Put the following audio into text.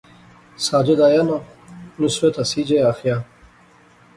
ساجد آیا ناں، نصرت ہنسی جے آخیا